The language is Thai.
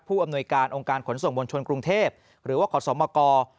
อำนวยการองค์การขนส่งมวลชนกรุงเทพหรือว่าขอสมก